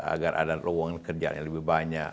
agar ada ruangan kerja yang lebih banyak